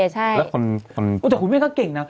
แต่คุณแม่เดียวก็เก่งนะ